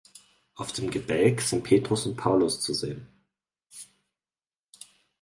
Auf dem Gebälk sind Petrus und Paulus zu sehen.